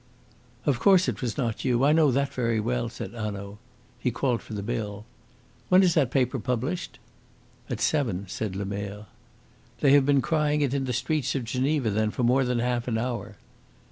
"Of course it was not you. I know that very well," said Hanaud. He called for the bill. "When is that paper published?" "At seven," said Lemerre. "They have been crying it in the streets of Geneva, then, for more than half an hour."